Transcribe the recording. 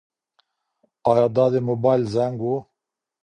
ایا دا د موبایل زنګ و؟